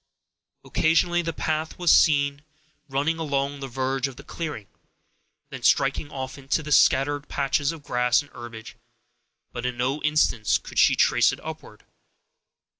Occasionally, the path was to be seen running along the verge of the clearing, and then striking off into the scattering patches of grass and herbage, but in no instance could she trace it upward.